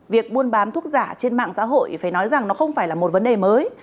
việc buôn bán thuốc giả trên mạng xã hội phải nói rằng nó không phải là một vấn đề mới